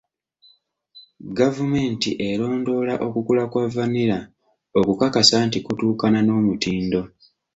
Gavumenti erondoola okukula kwa vanilla okukakasa nti kutuukaana n'omutindo.